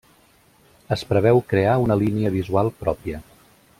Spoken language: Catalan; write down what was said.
Es preveu crear una línia visual pròpia.